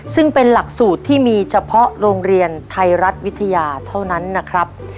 ซึ่งเป็นหลักสูตรที่มีเฉพาะโรงเรียนไทยรัฐวิทยาเท่านั้นนะครับ